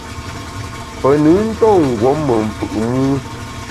Pe nùn nton ngùom me mfù’ mû.